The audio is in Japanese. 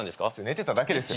寝てただけですよ。